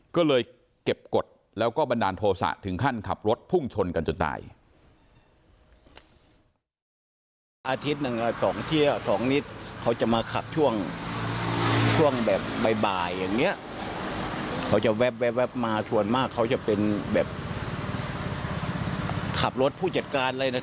ก็เลยเก็บกฎแล้วก็บันดาลโทษะถึงขั้นขับรถพุ่งชนกันจนตาย